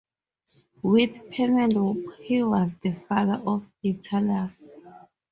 With Penelope, he was the father of Italus.